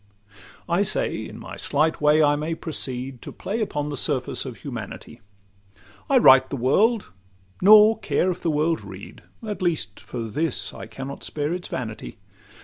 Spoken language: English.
I say, in my slight way I may proceed To play upon the surface of humanity. I write the world, nor care if the world read, At least for this I cannot spare its vanity.